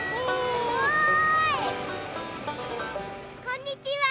こんにちは！